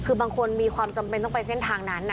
คือบางคนมีความจำเป็นต้องไปเส้นทางนั้น